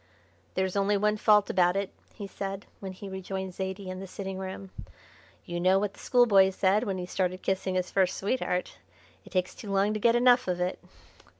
"There's only one fault about it," he said, when he rejoined Zaidie in the sitting room. "You know what the schoolboy said when he started kissing his first sweetheart, 'It takes too long to get enough of it.'"